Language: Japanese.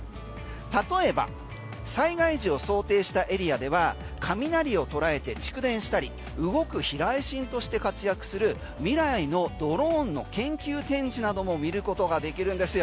例えば災害時を想定したエリアでは雷を捉えて蓄電したり動く避雷針として活躍する未来のドローンの研究展示なども見ることができるんですよ。